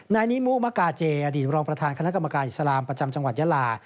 นายนิมุมกาเจอดีตรองประธานคณะกรรมการอิสลามประจำจังหวัดยาลา